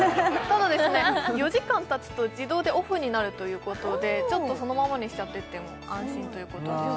ただ４時間たつと自動でオフになるということでちょっとそのままにしちゃってても安心ということです